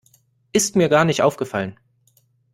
Ist mir gar nicht aufgefallen.